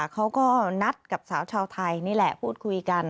เขาก็นัดกับสาวชาวไทยนี่แหละพูดคุยกัน